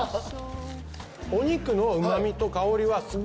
お肉のうま味と香りはすごいある。